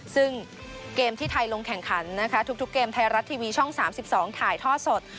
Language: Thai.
ซึ่งเกมที่ไทยลงแข่งขันนะคะทุกเกมไทยรัฐทีวีช่อง๓๒ถ่ายท่อสด